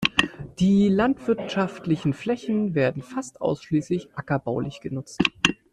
Die landwirtschaftlichen Flächen werden fast ausschließlich ackerbaulich genutzt.